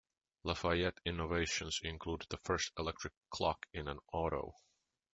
LaFayette innovations include the first electric clock in an auto.